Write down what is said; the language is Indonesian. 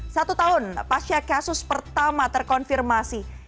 satu tahun pasca kasus pertama terkonfirmasi